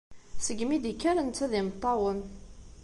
Seg mi d-ikker netta d imeṭṭawen.